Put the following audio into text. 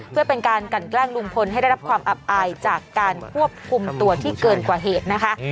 เพื่อเป็นการกันแกล้งลุงพลให้ได้รับความอับอายจากการควบคุมตัวที่เกินกว่าเหตุนะคะ